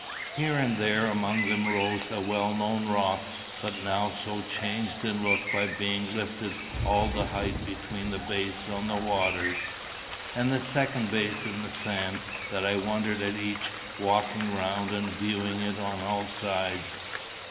Here and there amongst them rose a well known rock, but now so changed in look by being lifted all the height between the base on the waters, and the second base in the sand, that I wondered at each, walking round and viewing it on all sides.